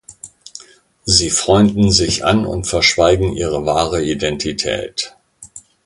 Sie freunden sich an und verschweigen ihre wahre Identität.